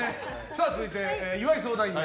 続いて、岩井相談員。